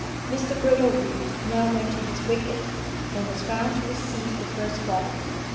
Mr Brittlereed now went to his wicket, and was bound to receive the first ball.